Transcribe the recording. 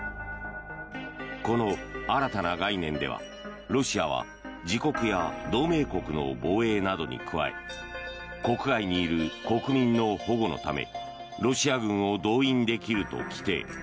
この新たな概念ではロシアは自国や同盟国の防衛などに加え国外にいる国民の保護のためロシア軍を動員できると規定。